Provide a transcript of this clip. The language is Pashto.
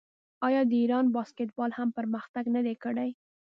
آیا د ایران باسکیټبال هم پرمختګ نه دی کړی؟